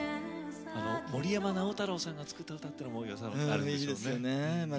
森山直太朗さんが作った歌っていうのもね。